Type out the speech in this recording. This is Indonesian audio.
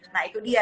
nah itu dia